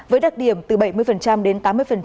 với đặc điểm từ bảy mươi đến tám mươi